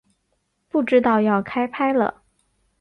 不知道要开拍了